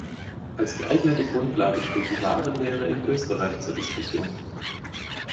Als geeignete Grundlage steht die Warenlehre in Österreich zur Diskussion.